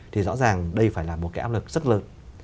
thì rõ ràng đây phải là một cái áp lực rất lớn